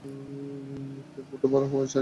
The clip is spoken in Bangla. হেই, ফটো ভালো হওয়া চাই।